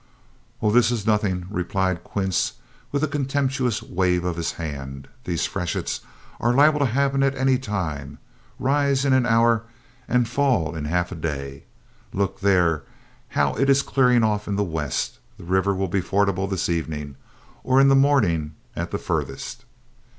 "Oh, this is nothing," replied Quince, with a contemptuous wave of his hand. "These freshets are liable to happen at any time; rise in an hour and fall in half a day. Look there how it is clearing off in the west; the river will be fordable this evening or in the morning at the furthest.